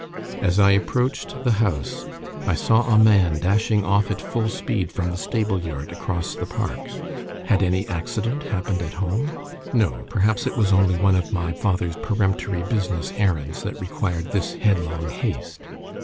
As I approached the house, I saw a man dashing off at full speed from the stable yard across the park. Had any accident happened at home? No; perhaps it was only one of my father's peremptory business errands that required this headlong haste.